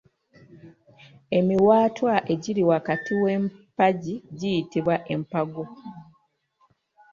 Emiwaatwa egiri wakati w'empagi giyitibwa empago.